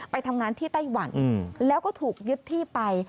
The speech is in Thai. ไปทำงานที่ไต้หวันแล้วก็ถูกยึดที่ไป